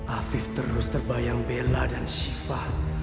afif terus terbayang bella dan siva